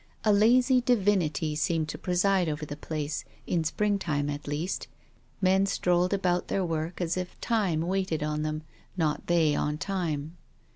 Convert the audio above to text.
A lazy divinity seemed to preside over the place, in spring time at least. Men strolled about their work as if Time waited on them, not they on Time.